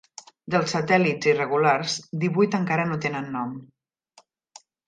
Dels satèl·lits irregulars, divuit encara no tenen nom.